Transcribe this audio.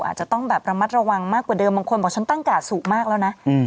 อาจจะต้องแบบระมัดระวังมากกว่าเดิมบางคนบอกฉันตั้งกาดสูงมากแล้วนะ